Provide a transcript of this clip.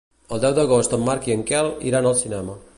El deu d'agost en Marc i en Quel iran al cinema.